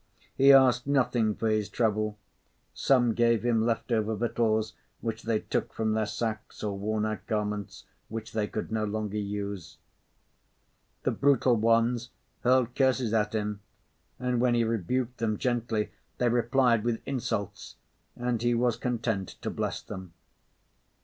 He asked nothing for his trouble; some gave him left over victuals which they took from their sacks or worn out garments which they could no longer use. The brutal ones hurled curses at him, and when he rebuked them gently they replied with insults, and he was content to bless them.